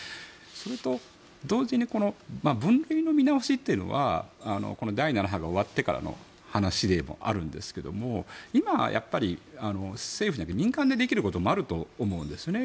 それと同時に分類の見直しというのは第７波が終わってからの話でもあるんですが今はやっぱり政府ではなく民間でできることもあると思うんですね。